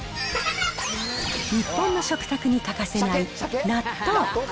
日本の食卓に欠かせない納豆。